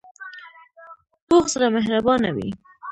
پوخ زړه مهربانه وي